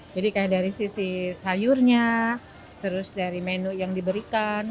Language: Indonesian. jadi kayak dari sisi sayurnya terus dari menu yang diberikan